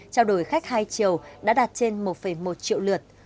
trao đổi khách hai triệu đã đạt trên một một triệu lượt